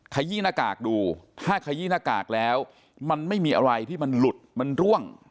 ขยี้หน้ากากดูถ้าขยี้หน้ากากแล้วมันไม่มีอะไรที่มันหลุดมันร่วง